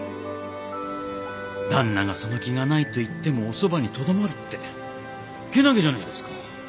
旦那がその気がないと言ってもおそばにとどまるってけなげじゃないですか。